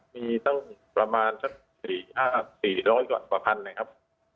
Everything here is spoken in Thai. มีตั้งประมาณสัก๔๐๐กว่าพันนะครับ